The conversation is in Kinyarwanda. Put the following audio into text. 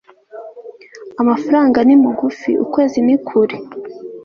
amafaranga ni mugufi, ukwezi ni kure